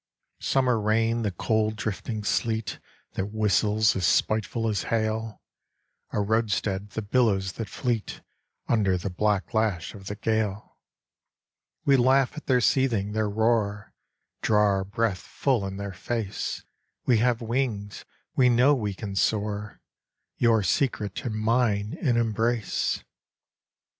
Summer rain, the cold drifting sleet That whistles as spiteful as hail! A roadstead, the billows that fleet Under the black lash of the gale! We laugh at their seething, their roar, Draw our breath full in their face; We have wings, we know we can soar, Your secret and mine in embrace!